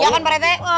iya kan pak rete